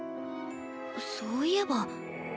そういえば。